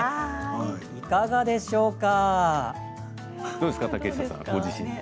いかがでしょうか。